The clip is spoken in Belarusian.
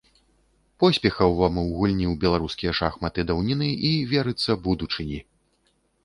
Поспехаў вам у гульні ў беларускія шахматы даўніны і, верыцца, будучыні!